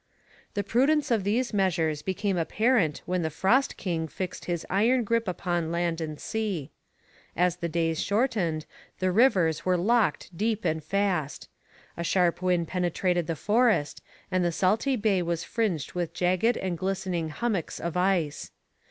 The prudence of these measures became apparent when the frost king fixed his iron grip upon land and sea. As the days shortened, the rivers were locked deep and fast; a sharp wind penetrated the forest, and the salty bay was fringed with jagged and glistening hummocks of ice.